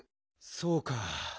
そうか。